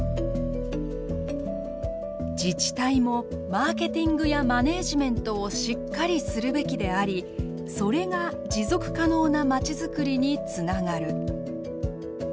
「自治体もマーケティングやマネージメントをしっかりするべきでありそれが持続可能なまちづくりにつながる」。